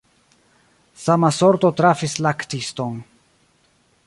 Sama sorto trafis laktiston.